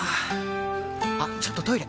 あっちょっとトイレ！